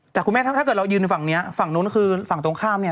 แต่คุณแม่ถ้าเกิดเรายืนฝั่งเนี้ยฝั่งนู้นคือฝั่งตรงข้ามเนี่ย